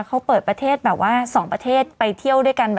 เขาเปิดประเทศแบบว่า๒ประเทศไปเที่ยวด้วยกัน